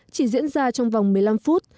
chỉ diễn ra trong vòng một mươi năm phút